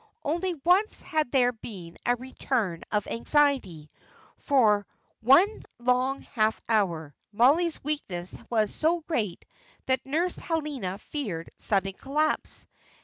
Only once had there been a return of anxiety, when, for one long half hour, Mollie's weakness was so great that Nurse Helena feared sudden collapse.